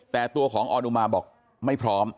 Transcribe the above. แต่ตัวของออนอุมาบอกไม่พร้อม